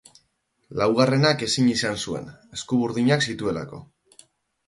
Laugarrenak ezin izan zuen, esku-burdinak zituelako.